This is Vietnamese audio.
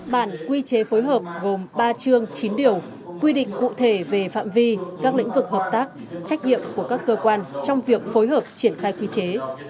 bản quy chế phối hợp gồm ba chương chín điều quy định cụ thể về phạm vi các lĩnh vực hợp tác trách nhiệm của các cơ quan trong việc phối hợp triển khai quy chế